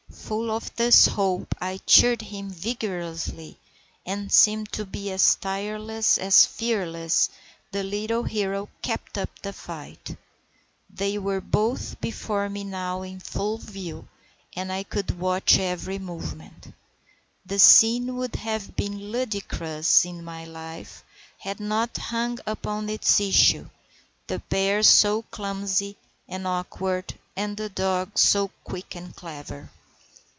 Full of this hope I cheered him vigorously, and seeming to be as tireless as fearless, the little hero kept up the fight. They were both before me now in full view, and I could watch every movement. The scene would have been ludicrous if my life had not hung upon its issue—the bear was so clumsy and awkward, the dog so quick and clever.